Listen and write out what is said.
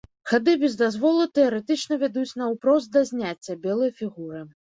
Хады без дазволу тэарэтычна вядуць наўпрост да зняцця белай фігуры.